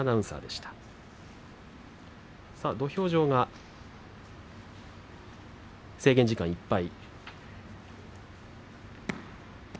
土俵上は制限時間いっぱい。